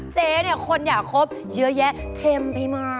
เจ๊คนอยากจะคบเยอะแยะเทมพี่มัด